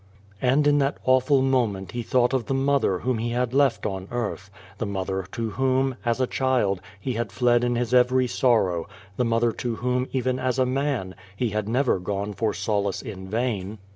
And in that awful moment he thought of the mother whom he had left on earth, the mother to whom, as a child, he had fled in his every sorrow, the mother to whom, even as a man, he had never gone for solace in vain.